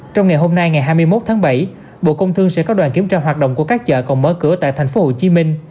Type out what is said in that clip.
trong ngày hôm nay ngày hai mươi một tháng bảy bộ công thương sẽ có đoàn kiểm tra hoạt động của các chợ còn mở cửa tại tp hcm